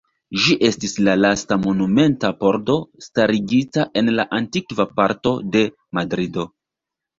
Ĝi estis la lasta monumenta pordo starigita en la antikva parto de Madrido.